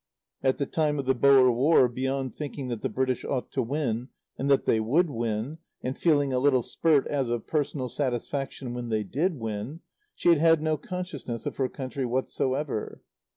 At the time of the Boer War, beyond thinking that the British ought to win, and that they would win, and feeling a little spurt as of personal satisfaction when they did win, she had had no consciousness of her country whatsoever.